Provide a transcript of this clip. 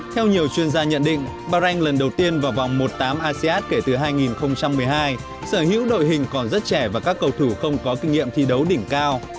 theo nhiều chuyên gia nhận định bahrain lần đầu tiên vào vòng một tám asean kể từ hai nghìn một mươi hai sở hữu đội hình còn rất trẻ và các cầu thủ không có kinh nghiệm thi đấu đỉnh cao